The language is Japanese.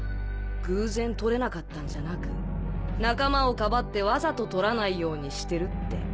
偶然撮れなかったんじゃなく仲間をかばってわざと撮らないようにしてるって。